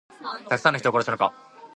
たくさんの人を殺したのか。